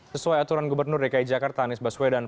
sesuai aturan gubernur dki jakarta anies baswedan